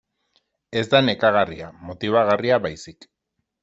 Ez da nekagarria, motibagarria baizik.